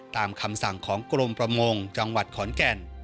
ตามคำสั่งของกรมประมงจังหวัดขอนแก่น